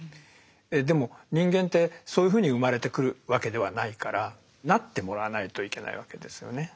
でも人間ってそういうふうに生まれてくるわけではないからなってもらわないといけないわけですよね。